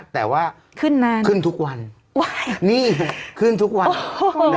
แต่ว่าขึ้นทุกวันนี่ขึ้นทุกวันนะครับโอ้โฮ